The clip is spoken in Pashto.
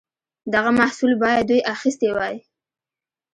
دغه محصول باید دوی اخیستی وای.